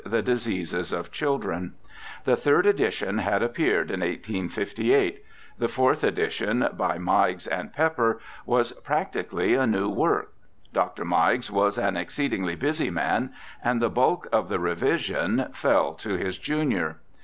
The Diseases of Children. The third edition had appeared in 1858. The fourth edition, by Meigs and Pepper, was prac tically a new work. Dr. Meigs was an exceedingly busy man, and the bulk of the revision fell to his junior.